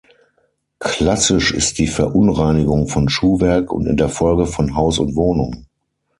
Klassisch ist die Verunreinigung von Schuhwerk und in der Folge von Haus und Wohnung.